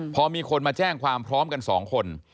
พอมีคนมาแจ้งความพร้อมกัน๒คน